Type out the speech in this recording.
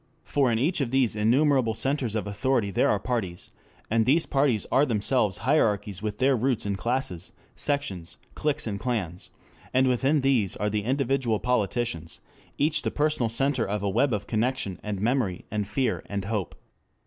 For in each of these innumerable centers of authority there are parties, and these parties are themselves hierarchies with their roots in classes, sections, cliques and clans; and within these are the individual politicians, each the personal center of a web of connection and memory and fear and hope.